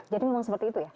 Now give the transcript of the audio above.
jadi memang seperti itu ya